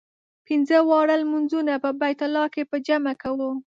پنځه واړه لمونځونه په بیت الله کې په جمع کوو.